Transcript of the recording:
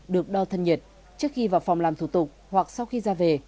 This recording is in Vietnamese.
được đo thân nhiệt trước khi vào phòng làm thủ tục hoặc sau khi ra về